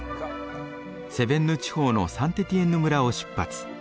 セヴェンヌ地方のサンテティエンヌ村を出発。